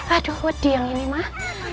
aduh wadih yang ini mak